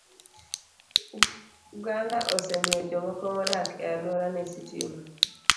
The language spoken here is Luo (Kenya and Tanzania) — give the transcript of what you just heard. Uganda osemiyo jomoko modak e alworane sitima.